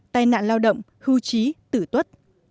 tai nạn lao động hưu trí tử tuất